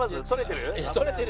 撮れてる？